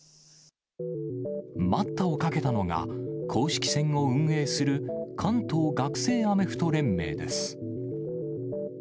待ったをかけたのが、公式戦を運営する関東学生アメフト連盟です。